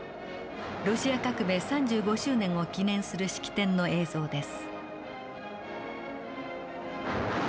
ロシア革命３５周年を記念する式典の映像です。